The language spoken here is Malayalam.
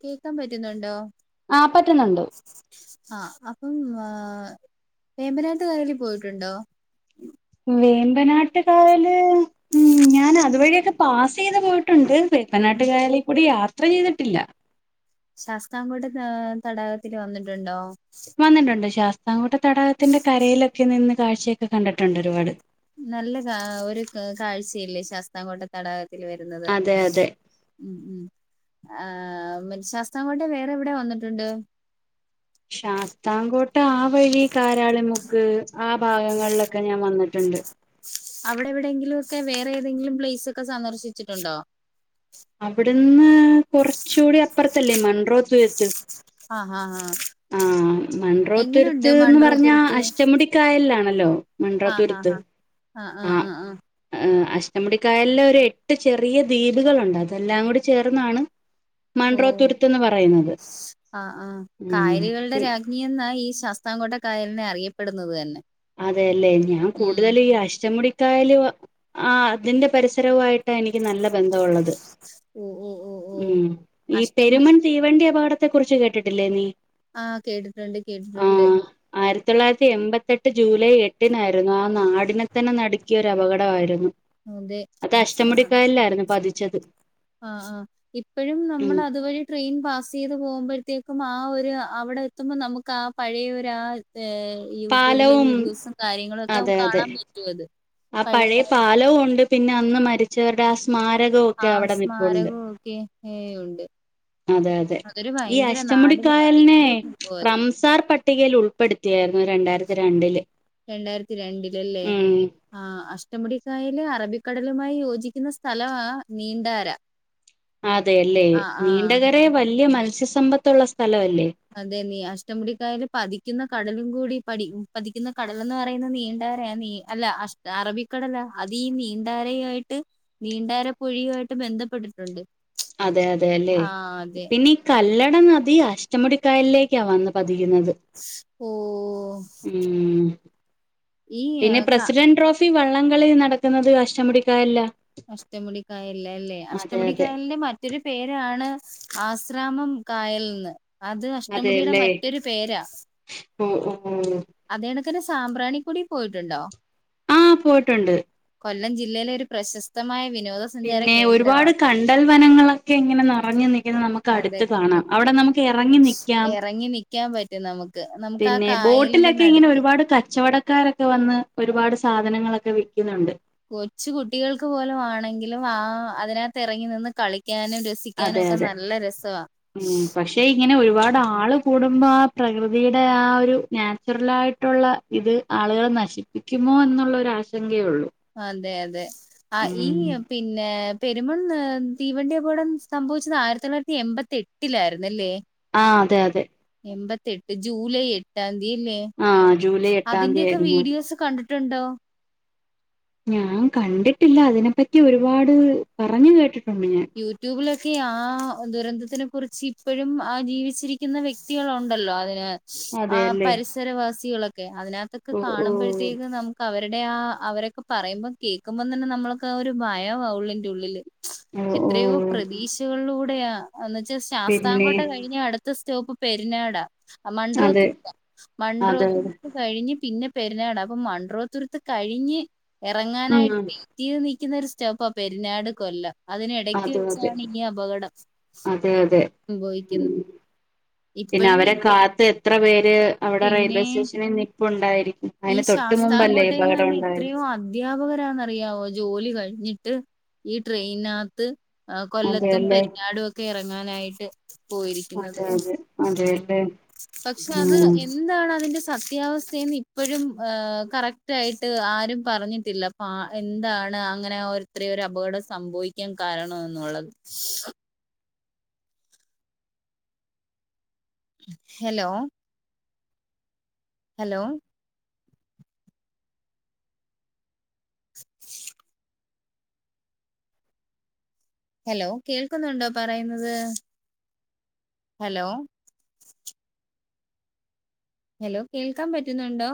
കേക്കാൻ പറ്റുന്നുണ്ടോ ആഹ് പറ്റുന്നുണ്ട് ആഹ് അപ്പം വേമ്പനാട്ടുകായലിൽ പോയിട്ടുണ്ടോ വേമ്പനാട്ടുകായല് ഉം ഞാൻ അതുവഴിയൊക്കെ പാസയ്ത് പോയിട്ടുണ്ട് വെമ്പനാട്ടുകായലീകൂടി യാത്ര ചെയ്തിട്ടില്ല ശാസ്താംകോട്ട തടാകത്തി വന്നിട്ടുണ്ടോ വന്നിട്ടുണ്ട് ശാസ്താം കോട്ട തടാകത്തിന്റെ കരയിലൊക്കെ നിന്ന് കാഴ്ചയൊക്കെ കണ്ടിട്ടുണ്ട് ഒരുപാട് നല്ല കാ ഒരു കാഴ്ചയില്ലേ ശാസ്താംകോട്ട തടാകത്തിൽ വര്ന്നത് അതെ അതെ ആഹ് ശാസ്താംകോട്ടെ വേറെ എവിടെ വന്നിട്ട്ണ്ട് ശാസ്താകോട് ട്ട ആ വഴി കാരാളിമുക്ക് ആ ഭാഗങ്ങളിലൊക്കെ ഞാൻ വന്നിട്ട്ണ്ട് അവിടെ എവിടെയെങ്കിലുക്കെ വേറെ ഏതെങ്കിലും പ്ലേസ് ഒക്കെ സന്ദർശിച്ചിട്ടുണ്ടോ അവിടുന്ന് കൊറച്ച് കൂടി അപ്പർത്തല്ലേ മൺറോ തുരുത്ത് ആഹ് ആഹ് മൻറോത്തുരുത്ത് ന്ന് പർഞ്ഞാ തുരുത്ത് അഷ്ടമുടി കായൽലാണല്ലോ മൻറോത്തുരത്ത് ആഹ് ആഹ് ആഹ് ആഹ് അഷ്ടമുടിക്കായലിലൊരു എട്ട് ചെറിയ ദ്വീപുകളുണ്ട് അതെല്ലാം കൂടി ചേർന്നാണ് ഓ മൺട്രോ തുരുത്ത്ന്ന് പറയുന്നത് ആഹ് ആഹ് ഉം കായലകളുടെ രാ രാക്നി എന്നാ ഈ ശാസ്താംകോട്ട കായലിനെ അറിയപ്പെടുന്നത് തന്നെ അതെയല്ലേ ഞാൻ ഉം കൂടുതൽ ഈ അഷ്ടമുടിക്കായല് ആ അതിന്റെ പരിസരവയിട്ട് ട്ടാ എനിക്ക് നല്ല ബന്ധംവുള്ളത് ഓ ഓ ഓ ഓ ഉം ഈ അഷ്ടമുടി പെരുമൻ തീവണ്ടി അപകടത്തെ കുറിച്ച് കേട്ടിട്ടില്ലേ നീ ആഹ് കേട്ടിട്ടുണ്ട് കേട്ടിട്ടുണ്ട് ട്ട് ജൂലൈ എട്ടിനായിരുന്നു ആ നാടിനെ തന്നെ നടുക്കിയ ഒരു അപകടമായിരുന്നു അതെ അത് ആ അഷ്ടമുടിക്കായില്ലായിരുന്നു പതിച്ചത് ആ ആ ഇപ്പോഴും നമ്മൾ ഉം അതുവഴി ട്രെയിൻ പാസ് ചെയ്ത് പോകുമ്പോഴത്തേക്കും ആ ഒരു അവിടെ എത്തുമ്പോൾ നമുക്ക് ആ പഴയൊരാ ആ.. യൂട്യൂബിലെ പാലവും വീഡിയോസും കാര്യങ്ങളും ഒക്കെ അതെ കാണാൻ പറ്റും അത് പഴയതാല ഫലവും ഉണ്ട് പിന്നെ അന്ന് മരിച്ചവരുടെ ആ സ്മാരകവും ഒക്കെ അവിടെ നി പ്പുണ്ട് ക്കെഏ ഉണ്ട് അതെ അതെ അതൊരു ഈ ഭയങ്കര നാടിന് അഷ്ടമുടിക്കായലിൻ അതിഥിയ സംഭവമായിരുന്നു റംസാർ പ പട്ടികയിൽ ഉൾപ്പെടുത്തിയായിരുന്നു രണ്ടായിരത്തി രണ്ടില് രണ്ടായിരത്തി രണ്ടിലല്ലേ ഉം ആഹ് അഷ്ടമുടിക്കായല് അറബിക്കടലുമായി യോജിക്കുന്ന സ്ഥലമാ നീണ്ടാര അതെയല്ലേ ആ ആ നീണ്ടകര വലിയ മത്സ്യസമ്പത്തുള്ള സ്ഥലം അല്ലേ അതെ നീ അഷ്ടംമുടിക്കായല് പതിക്കുന്ന കടലും കൂടി പടി പതിക്കുന്ന കടലന്ന് പറയുന്ന നീണ്ടര നീ അല്ല അഷ അറബിക്കടല അല്ല അതീഈ നീന്താരയ ആയിട്ട് നീണ്ടാര പൊഴിയുമായിട്ട് ബന്ധപ്പെട്ടിട്ടുണ്ട് അതെ അതെ ല്ലെ ആ അതെ പിന്നീ കല്ലട നദി അഷ്ടമുടിക്കായലിലേക്കാ വന്ന് പതിന്നത് ഓഹ് ഉം ഈ ആ, പിന്നെ ക പ്രസിഡന്റ് ഓഫ് ഫി വള്ളംകളി നടക്കുന്നത് കഷ്ടംമു ടിക്കായല്ല അഷ്ടമുടിക്കായല്ല അല്ലേ അതെ അഷ്ടമുടിക്കായല്ലേ മാറ്റ മറ്റൊരു പേരാണ് ആശ്രാമം കായലന്ന് അത് അഷ്ടമുടിയുടെ മറ്റൊരു പേരാ ഉം ഉം ഉം അതേണക്കെണ് സാമ്പ്രാണി കൂടി പോയിട്ടുണ്ടോ ആഹ് പോയിട്ടുണ്ട് കൊല്ലം ജില്ലയിലെ ഒരു പ്രശസ്തമായ വിനോദ പിന്നെ ഒരുപാട് കണ്ടൽവനങ്ങളൊക്കെ ഇങ്ങനെ നേറഞ്ഞു നി ങ്ങനെ നമ്മക്ക് അതെ അടുത്ത് കാണാം, അവടെ നമ്മക്ക് എറങ്ങി നിക്കാം. ക്കാൻ പറ്റും നമു പിന്നെ ബോട്ടിലൊക്കെ ഇങ്ങനെ ഒരുപാട് കച്ചവടക്കാരോ ഒക്കെ വന്ന് ഒരുപാട് സാധനങ്ങളൊക്കെ വിക്കുന്നുണ്ട്. കൊച്ചു കുട്ടികൾക്ക് പോലും ആണെങ്കിലും ആഹ് അതിനകത്ത് ഇറങ്ങി നിന്ന് കളിക്കാനും രസ് അതെ അതെ ഉം പക്ഷെ ഇങ്ങനെ ഒരുപാട് ആള് കൂടുബാ ആ പ്രകൃതിയുടെ ആ ഒരു നാച്ചുറൽ ആയിട്ടുള്ള ഇത് ആളുകളെ നശി ഇക്കുമോ എന്നുള്ളൊരു ആശങ്കയേ ഒള്ളൂ. അതെ അതെ ആ ഈ പിന്നെ പെരുമൺ ഏ തീവണ്ടി അപകടം സംഭവിച്ചത് ആയിരത്തി തൊള്ളായിരത്തി എൺമ്പത്തി എട്ടിലായിരുന്ന് ല്ലേ. ആഹ് അതെ അതെ. എൺപത്തേട്ട് ജൂലൈ എട്ടാം ദ്ധീ ല്ലേ ആ ജൂലൈ എട്ടാം തീയതി അതിന്റെക്കെ ആയിരുന്നു അത്. വീഡിയോസ് കണ്ട്ട്ട്ണ്ടോ? ഞാം കണ്ടിട്ടില്ലാ അതിനെപ്പറ്റി ഒരുപാട് പറഞ്ഞു കേട്ടിട്ടുണ്ട് ഞാൻ. യൂട്യൂബിലൊക്കെ ആ ദുരന്തത്തിനെ കുറിച്ച് ഇപ്പോഴും ആ ജീവിച്ചിരിക്കുന്ന വ്യക്തികളുണ്ടല്ലോ അതിന് ആഹ് അതെയല്ലേ പരിസരവാസികളൊക്കെ അതിനകത്തൊക്കെ ഓ ഓ കാണുമ്പോഴ്ത്തേകും നമു അവര്ടെ ആ അവരൊക്കെ പറയുമ്പോ കേക്കുമ്പോം തന്നെ നമ്മൾക്ക് ആ ഒരു ഭയവാ ള്ളിന്റെ ഉള്ളില്. ഓ ഓ എത്രയോ പ്രതീക്ഷകളിലൂടെയാ എന്ന് വെച്ചാ പിന്നെ ശാസ്ത്രാകോട്ട കഴിഞാ അടു സ്റ്റോപ്പ് പെരിനാടാ അതെ മൺഡ്രോത്തർത്ത അതെ അതെ മൺഡ്രോത്ത കഴിഞ്ഞ് പിന്നെ പെരുന്നാട് അപ്പൊ മൺഡറോത്തുരത്ത് കഴിഞ്ഞ് എറങ്ങാനായിട്ട് ഉം റ്റീത് നിൽക്കുന്നൊ ഒരു സ്റ്റോപ്പാ പെരിന്നാട് കൊല്ലം അതിനി ഇടക്ക് അതെ അതെ വെച്ചാണ് ഈ അപകടം. അതെ അതെ ഉം സംഭവിക്കിന്ന്. പിന്നെ അവരെ കാത്ത് എത്ര പേര് അവടെ പിന്നെ റെയിൽവേ സ്റ്റേഷനിൽ നിപ്പുണ്ടായിരിക്കും. ഈ അതിന് തൊട്ട് മുമ്പല്ലേ ഈ ശാസ്താകോട്ടയിന്ന് അപകടം തന്നെ ഉണ്ടായത് ഇത്രേയു അ അധ്യാപകരാന്നറിയാവോ ജോലി കഴിഞ്ഞിട്ട് ഈ ട്രെയിനകത്ത് ആ കൊല്ലത്തും അതെയല്ലേ പെരിഞ്ഞാടുവൊക്കെ എറങ്ങാനായിട്ട് അതെ പോയിരിക്കുന്നത്. അതെ അതെയല്ലേ പക്ഷെ അത് ഉം എന്താണതിന്റെ സത്യാവസ്ഥേന്ന് ഇ പ്പഴും ആ കറക്റ്റായിട്ട് ആരും പറഞ്ഞിട്ടില്ല പ എന്താണ് അങ്ങനെ ഒ അത്രയൊരു അപകടം സംഭവിക്കാൻ കാരണം എന്നുള്ളത്. ഹേലോ. ഹലോ. ഹലോ കേൾക്കുന്നുണ്ടോ പറയുന്നത്? ഹലോ. ഹേലോ കേൾക്കാൻ പറ്റുന്നുണ്ടോ?